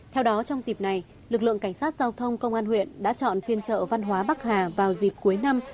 theo đó trong dịp này lực lượng cảnh sát giao thông công an huyện đã chọn phiên chợ văn hóa bắc hà vào dịp cuối năm